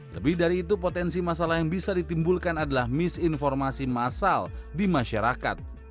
lebih dari itu potensi masalah yang bisa ditimbulkan adalah misinformasi masal di masyarakat